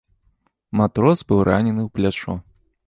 Матрос быў ранены ў плячо.